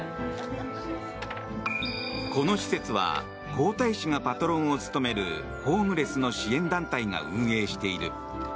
この施設は皇太子がパトロンを務めるホームレスの支援団体が運営している。